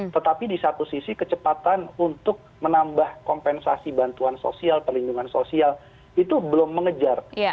tetapi di satu sisi kecepatan untuk menambah kompensasi bantuan sosial perlindungan sosial itu belum mengejar